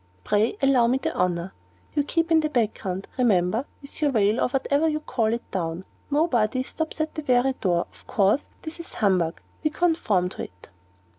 Pray allow me the honor. You keep in the background, remember, with your veil, or whatever you call it, down. Nobody stops at the very door. Of course that is humbug we conform to it."